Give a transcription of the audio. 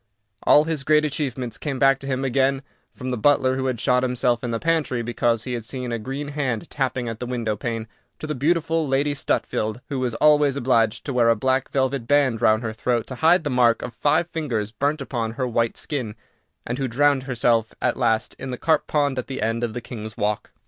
All his great achievements came back to him again, from the butler who had shot himself in the pantry because he had seen a green hand tapping at the window pane, to the beautiful Lady Stutfield, who was always obliged to wear a black velvet band round her throat to hide the mark of five fingers burnt upon her white skin, and who drowned herself at last in the carp pond at the end of the King's Walk.